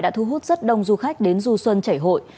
đã thu hút rất đông du khách đến du xuân chảy hội